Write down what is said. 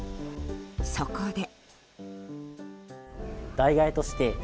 そこで。